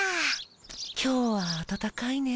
今日はあたたかいね。